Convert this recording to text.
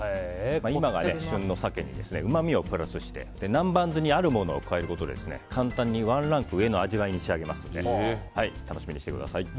今が旬の鮭にうまみをプラスして南蛮酢にあるものを加えることで簡単にワンランク上の味わいに仕上げますので楽しみにしてください。